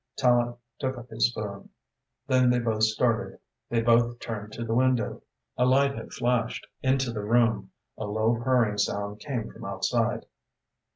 Tallente took up his spoon. Then they both started, they both turned to the window. A light had flashed into the room, a low, purring sound came from outside.